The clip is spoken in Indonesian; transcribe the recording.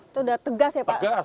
itu sudah tegas ya pak